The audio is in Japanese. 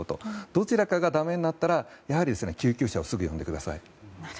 どちらかがだめになったら救急車をすぐ呼んでください。